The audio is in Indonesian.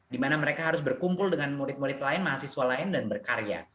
dimana mereka harus berkumpul dengan murid murid lain mahasiswa lain dan berkarya